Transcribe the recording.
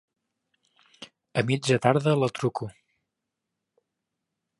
A mitja tarda la truco.